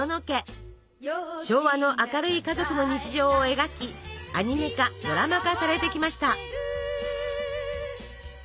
昭和の明るい家族の日常を描きアニメ化ドラマ化されてきました。